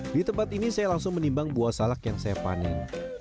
di tempat ini saya langsung menimbang buah salak yang saya panen